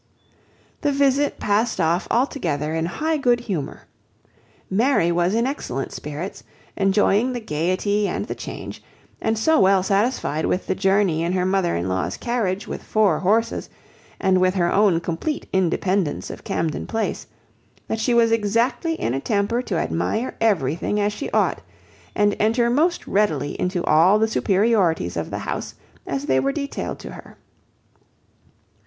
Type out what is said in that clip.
The visit passed off altogether in high good humour. Mary was in excellent spirits, enjoying the gaiety and the change, and so well satisfied with the journey in her mother in law's carriage with four horses, and with her own complete independence of Camden Place, that she was exactly in a temper to admire everything as she ought, and enter most readily into all the superiorities of the house, as they were detailed to her.